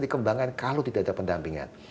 dikembangkan kalau tidak ada pendampingan